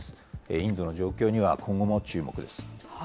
インドの状況には今後も注目です。